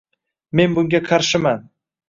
Men bunga qarshiman.